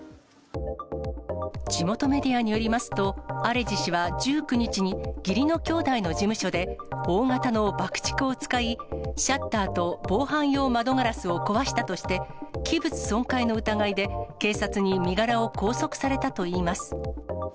地元メディアによりますと、アレジ氏は１９日に、義理の兄弟の事務所で、大型の爆竹を使い、シャッターと防犯用窓ガラスを壊したとして、器物損壊の疑いで警察に身柄を拘束されたといいます。